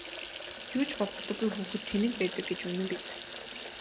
Юу ч боддоггүй хүүхэд тэнэг байдаг гэж үнэн биз!